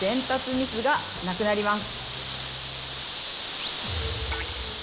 ミスがなくなります。